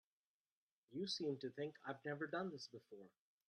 You seem to think I've never done this before.